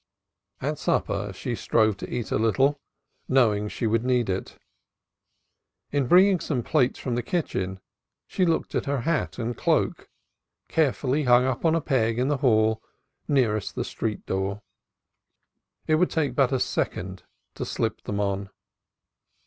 At supper she strove to eat a little, knowing she would need it. In bringing some plates from the kitchen she looked at her hat and cloak, carefully hung up on the peg in the hall nearest the street door. It would take but a second to slip them on.